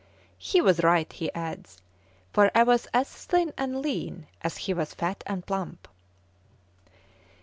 He was right," he adds, "for I was as thin and lean, as he was fat and plump."